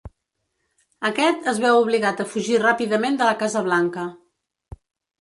Aquest es veu obligat a fugir ràpidament de la Casa Blanca.